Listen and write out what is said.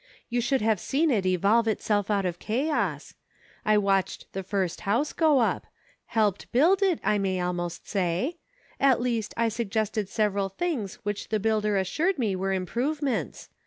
You should have seen it evolve itself out of chaos. I watched the first house go up ; helped build it, I may almost say ; at least, I suggested several things which the builder assured me were improvements.